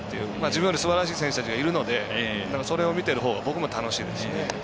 自分よりすばらしい選手たちがいるのでそれを見てるほうが僕も楽しいですしね。